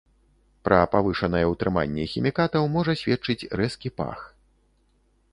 Пра павышанае ўтрыманне хімікатаў можа сведчыць рэзкі пах.